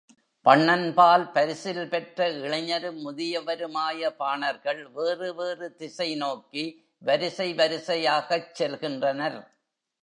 பண்ணன்பால் பரிசில் பெற்ற இளைஞரும் முதியவருமாய பாணர்கள் வேறு வேறு திசை நோக்கி வரிசை வரிசையாகச் செல்கின்றனர்.